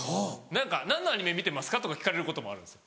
「何のアニメ見てますか？」とか聞かれることもあるんですよ。